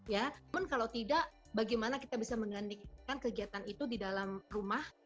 namun kalau tidak bagaimana kita bisa mengandalkan kegiatan itu di dalam rumah